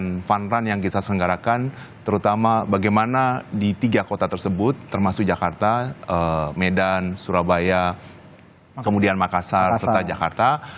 nah jadi ini juga adalah fun run yang kita senggarakan terutama bagaimana di tiga kota tersebut termasuk jakarta medan surabaya kemudian makassar jakarta